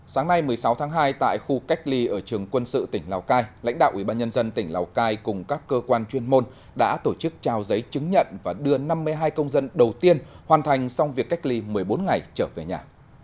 sáng nay một mươi sáu tháng hai tại khu cách ly ở trường quân sự tỉnh lào cai lãnh đạo ubnd tỉnh lào cai cùng các cơ quan chuyên môn đã tổ chức trao giấy chứng nhận và đưa năm mươi hai công dân đầu tiên hoàn thành xong việc cách ly một mươi bốn ngày trở về nhà